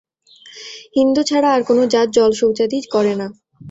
হিঁদু ছাড়া আর কোন জাত জলশৌচাদি করে না।